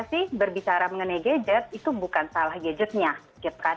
jadi berbicara mengenai gadget itu bukan salah gadgetnya gitu kan